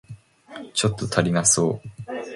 ちょっと足りなそう